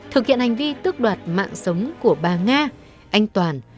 thực hiện hành vi tức đoạt mạng sống của bà nga anh toàn